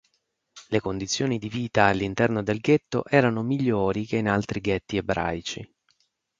Le condizioni di vita all'interno del ghetto erano migliori che in altri ghetti ebraici.